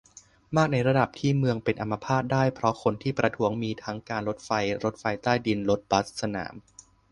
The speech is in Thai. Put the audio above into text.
มากในระดับที่เมืองเป็นอัมพาตได้ เพราะคนที่ประท้วงมีทั้งการรถไฟ รถไฟใต้ดิน รถบัส สนาม